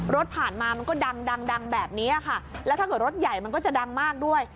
รถผ่านมามันก็ดังดังแบบนี้ค่ะแล้วถ้าเกิดรถใหญ่มันก็จะดังมากด้วย